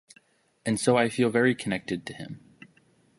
And so I feel very connected to him.